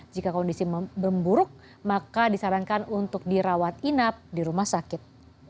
jika kondisi memburuk maka disarankan untuk dirawat inap di rumah sakit